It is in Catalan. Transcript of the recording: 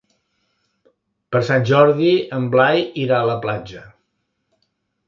Per Sant Jordi en Blai irà a la platja.